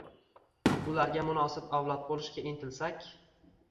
Ularga munosib avlod bo‘lishga intilsak